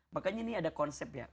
makanya ini ada konsep ya